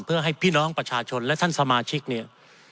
เพื่อให้พี่น้องประชาชนและท่านสมาชิกเนี่ย